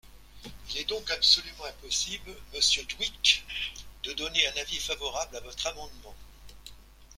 Il est donc absolument impossible, monsieur Dhuicq, de donner un avis favorable à votre amendement.